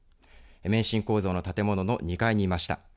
免震構造の建物の２階にいました。